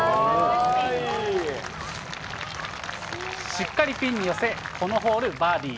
しっかりピンに寄せ、このホール、バーディー。